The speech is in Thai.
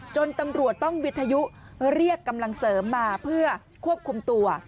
ตำรวจต้องวิทยุเรียกกำลังเสริมมาเพื่อควบคุมตัว